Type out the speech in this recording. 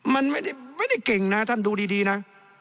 มันไม่ได้เก่งนะท่านดูดีนะ